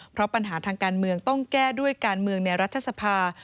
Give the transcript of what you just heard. เพราะปัญหาทางการเมืองต้องแก้ด้วยการเมืองในรัฐสภา